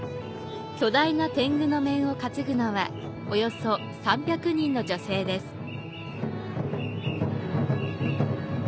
巨大な天狗の面を担ぐのは約３００人の女性です。